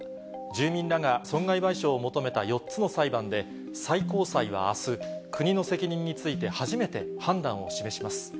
住民らが損害賠償を求めた４つの裁判で、最高裁はあす、国の責任について初めて判断を示します。